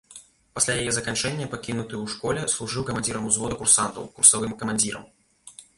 Пасля яе заканчэння пакінуты ў школе, служыў камандзірам узвода курсантаў, курсавым камандзірам.